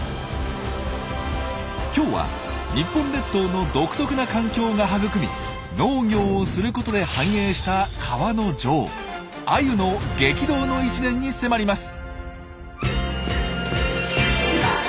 今日は日本列島の独特な環境が育み農業をすることで繁栄した川の女王アユの激動の１年に迫ります。